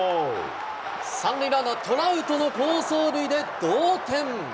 ３塁ランナー、トラウトの好走塁で同点。